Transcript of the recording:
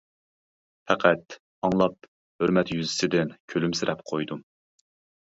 پەقەت ئاڭلاپ ھۆرمەت يۈزىسىدىن كۈلۈمسىرەپ قويدۇم.